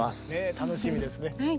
楽しみですね。